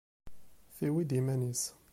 Tewwi-d iman-is.